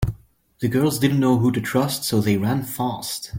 The girls didn’t know who to trust so they ran fast.